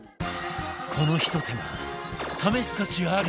このひと手間試す価値アリ？